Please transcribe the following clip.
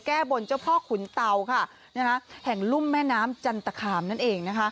แก้บนเจ้าพ่อขุนเตาค่ะแห่งลุ่มแม่น้ำจันตคามนั่นเองนะคะ